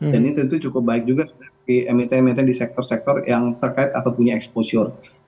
dan ini tentu cukup baik juga di sektor sektor yang terkait atau punya exposure